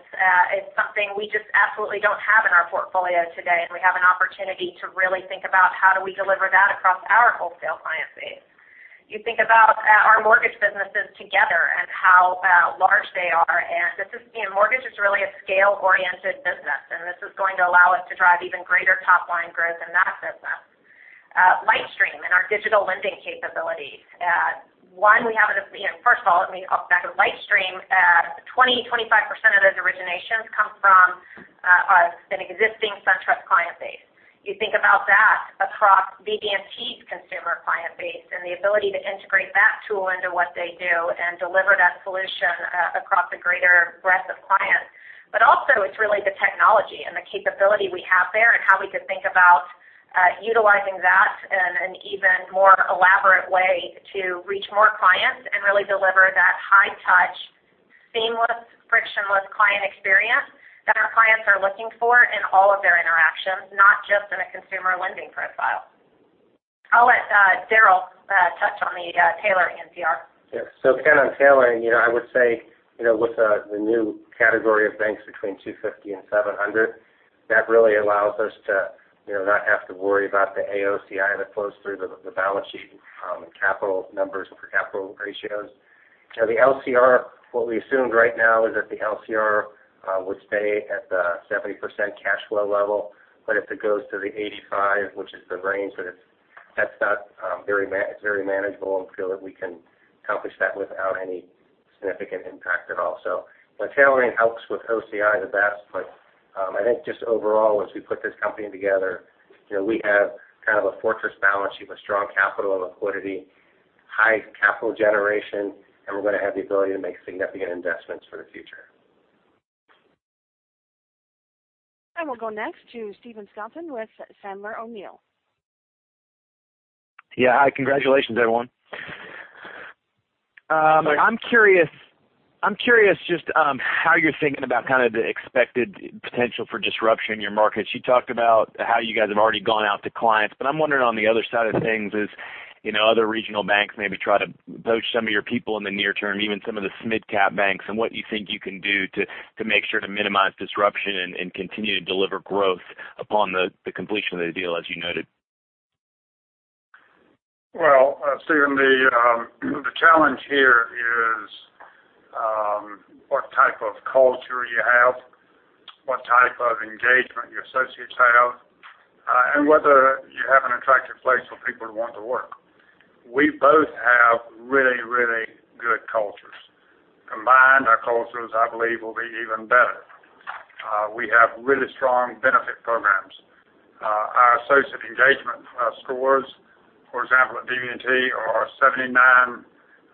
it's something we just absolutely don't have in our portfolio today. We have an opportunity to really think about how do we deliver that across our wholesale client base. You think about our mortgage businesses together and how large they are. Mortgage is really a scale-oriented business, and this is going to allow us to drive even greater top-line growth in that business. LightStream and our digital lending capabilities. First of all, let me talk about LightStream. 20%, 25% of those originations come from an existing SunTrust client base. You think about that across BB&T's consumer client base and the ability to integrate that tool into what they do and deliver that solution across a greater breadth of clients. Also it's really the technology and the capability we have there and how we could think about utilizing that in an even more elaborate way to reach more clients and really deliver that high touch, seamless, frictionless client experience that our clients are looking for in all of their interactions, not just in a consumer lending profile. I'll let Daryl touch on the tailoring and CR. Ken, on tailoring, I would say with the new category of banks between 250 and 700, that really allows us to not have to worry about the AOCI that flows through the balance sheet and capital numbers for capital ratios. The LCR, what we assumed right now is that the LCR would stay at the 70% cash flow level. If it goes to the 85%, which is the range that it's set, it's very manageable and feel that we can accomplish that without any significant impact at all. The tailoring helps with OCI the best, but I think just overall, as we put this company together, we have kind of a fortress balance sheet with strong capital and liquidity, high capital generation, and we're going to have the ability to make significant investments for the future. We'll go next to Stephen Scouten with Sandler O'Neill. Yeah. Hi. Congratulations, everyone. Thanks. I'm curious just how you're thinking about kind of the expected potential for disruption in your markets. You talked about how you guys have already gone out to clients, I'm wondering on the other side of things is other regional banks maybe try to poach some of your people in the near term, even some of the mid-cap banks, what you think you can do to make sure to minimize disruption and continue to deliver growth upon the completion of the deal, as you noted. Well, Stephen, the challenge here is what type of culture you have, what type of engagement your associates have, and whether you have an attractive place for people to want to work. We both have really, really good cultures. Combined, our cultures, I believe, will be even better. We have really strong benefit programs. Our associate engagement scores, for example, at BB&T are 79%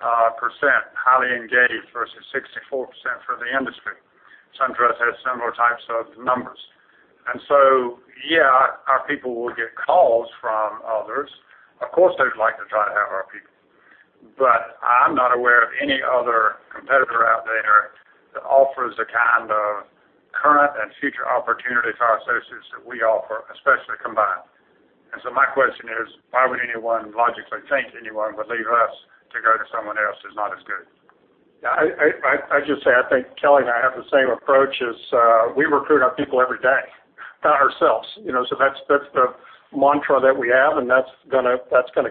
highly engaged versus 64% for the industry. SunTrust has similar types of numbers. Yeah, our people will get calls from others. Of course, they'd like to try to have our people. I'm not aware of any other competitor out there that offers the kind of current and future opportunity to our associates that we offer, especially combined. My question is, why would anyone logically think anyone would leave us to go to someone else who's not as good? Yeah, I just say, I think Kelly and I have the same approach as we recruit our people every day, not ourselves. That's the mantra that we have, and that's going to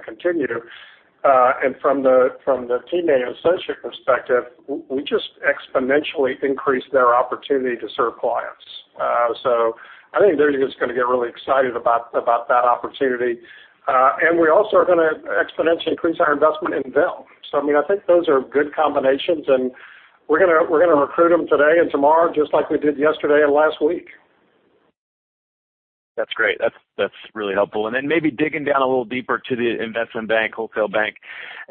continue. From the teammate associate perspective, we just exponentially increase their opportunity to serve clients. I think they're just going to get really excited about that opportunity. We also are going to exponentially increase our investment in them. I think those are good combinations, and we're going to recruit them today and tomorrow, just like we did yesterday and last week. That's great. That's really helpful. Maybe digging down a little deeper to the investment bank, wholesale bank.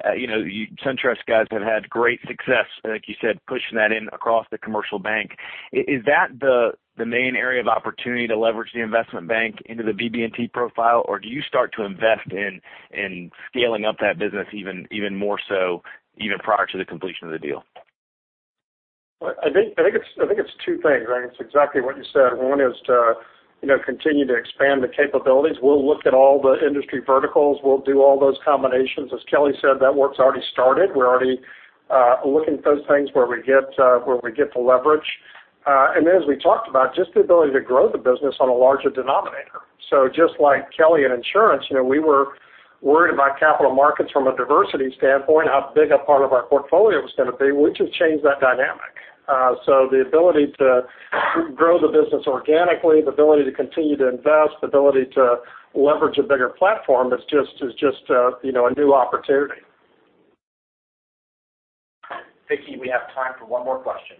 SunTrust guys have had great success, like you said, pushing that in across the commercial bank. Is that the main area of opportunity to leverage the investment bank into the BB&T profile? Or do you start to invest in scaling up that business even more so even prior to the completion of the deal? I think it's two things, right? It's exactly what you said. One is to continue to expand the capabilities. We'll look at all the industry verticals. We'll do all those combinations. As Kelly said, that work's already started. We're already looking at those things where we get the leverage. As we talked about, just the ability to grow the business on a larger denominator. Just like Kelly in insurance, we were worried about capital markets from a diversity standpoint, how big a part of our portfolio it was going to be. We just changed that dynamic. The ability to grow the business organically, the ability to continue to invest, the ability to leverage a bigger platform is just a new opportunity. Vicki, we have time for one more question.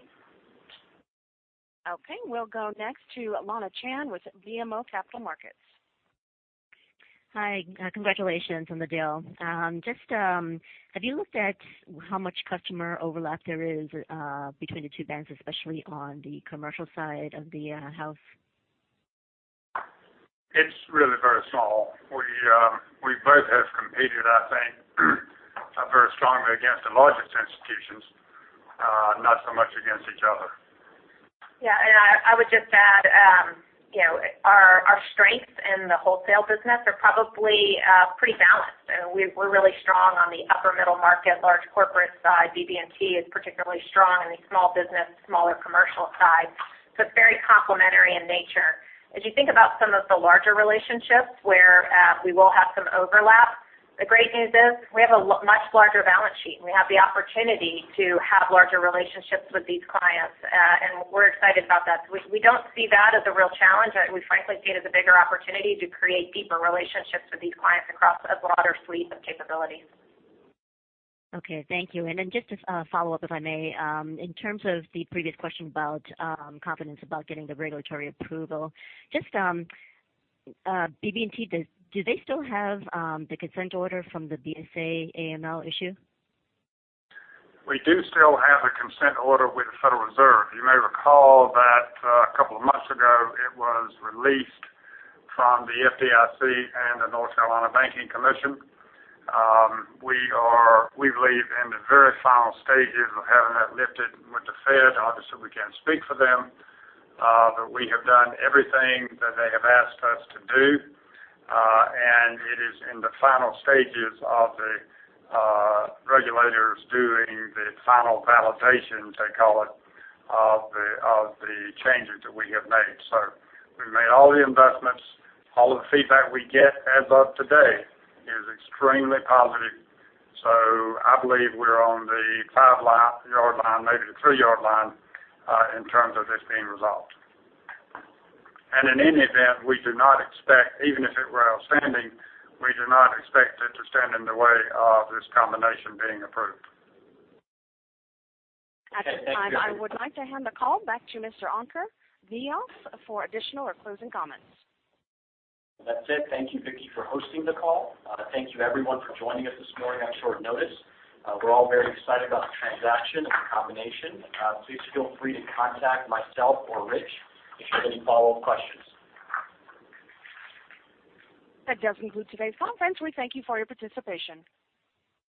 Okay. We'll go next to Lana Chan with BMO Capital Markets. Hi. Congratulations on the deal. Have you looked at how much customer overlap there is between the two banks, especially on the commercial side of the house? It's really very small. We both have competed, I think, very strongly against the largest institutions, not so much against each other. Yeah, I would just add, our strengths in the wholesale business are probably pretty balanced. We're really strong on the upper middle market, large corporate side. BB&T is particularly strong in the small business, smaller commercial side. It's very complementary in nature. As you think about some of the larger relationships where we will have some overlap, the great news is we have a much larger balance sheet, and we have the opportunity to have larger relationships with these clients, and we're excited about that. We don't see that as a real challenge. We frankly see it as a bigger opportunity to create deeper relationships with these clients across a broader suite of capabilities. Okay. Thank you. Then just a follow-up, if I may. In terms of the previous question about confidence about getting the regulatory approval, just BB&T, do they still have the consent order from the BSA/AML issue? We do still have a consent order with the Federal Reserve. You may recall that a couple of months ago, it was released from the FDIC and the North Carolina Banking Commission. We believe in the very final stages of having that lifted with the Fed. We have done everything that they have asked us to do. It is in the final stages of the regulators doing the final validation, they call it, of the changes that we have made. We've made all the investments. All the feedback we get as of today is extremely positive. I believe we're on the five-yard line, maybe the three-yard line, in terms of this being resolved. In any event, even if it were outstanding, we do not expect it to stand in the way of this combination being approved. At this time, I would like to hand the call back to Mr. Ankur Vyas, for additional or closing comments. That's it. Thank you, Vicki, for hosting the call. Thank you, everyone, for joining us this morning on short notice. We're all very excited about the transaction and the combination. Please feel free to contact myself or Rich if you have any follow-up questions. That does conclude today's conference. We thank you for your participation.